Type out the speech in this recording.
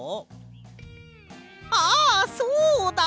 あっそうだ！